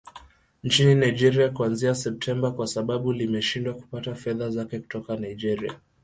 nchini Nigeria kuanzia Septemba kwa sababu limeshindwa kupata fedha zake kutoka Nigeria